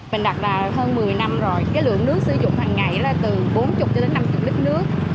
mình đặt là hơn một mươi năm rồi cái lượng nước sử dụng hằng ngày là từ bốn mươi năm mươi lít nước